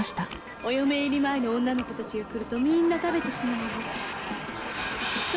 「お嫁入り前の女の子たちが来るとみんな食べてしまうの」。